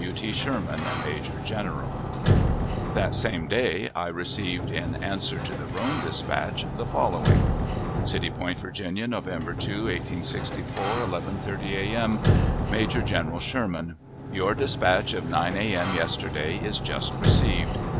W. T. SHERMAN, Major General. That same day I received, in answer to the Rome dispatch, the following: CITY POINT, VIRGINIA, November 2,1864 11.30 a.m. Major General SHERMAN: Your dispatch of 9 A.M. yesterday is just received.